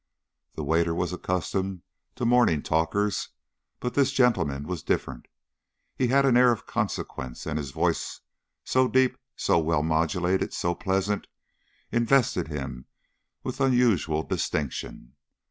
The waiter was accustomed to "morning talkers," but this gentleman was different. He had an air of consequence, and his voice, so deep, so well modulated, so pleasant, invested him with unusual distinction.